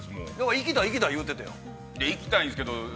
◆行きたい、行きたい言うてたやん。